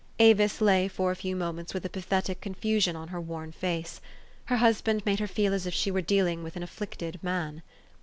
Avis lay for a few moments with a pathetic confusion on her worn face. Her husband made her feel as if she were dealing with an afflicted man.